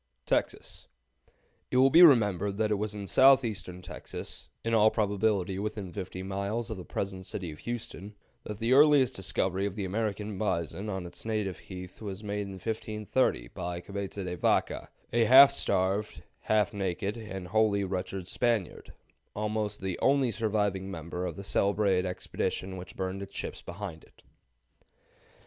[Note 14: Mississippi as a Province, Territory, and State, p. 484.] TEXAS. It will be remembered that it was in southeastern Texas, in all probability within 50 miles of the present city of Houston, that the earliest discovery of the American bison on its native heath was made in 1530 by Cabeza de Vaca, a half starved, half naked, and wholly wretched Spaniard, almost the only surviving member of the celebrated expedition which burned its ships behind it.